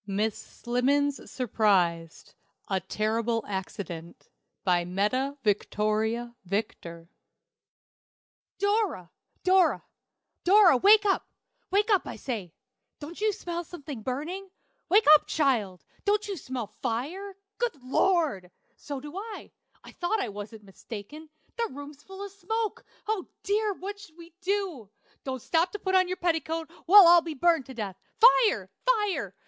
MISS SLIMMENS SURPRISED. A Terrible Accident. BY METTA VICTORIA VICTOR. "Dora! Dora! Dora! wake up, wake up, I say! Don't you smell something burning? Wake up, child! Don't you smell fire? Good Lord! so do I. I thought I wasn't mistaken. The room's full of smoke. Oh, dear! what'll we do? Don't stop to put on your petticoat. We'll all be burned to death. Fire! fire!